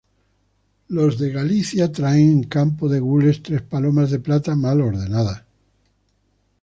Los de Galicia traen en campo de gules tres palomas de plata mal ordenadas.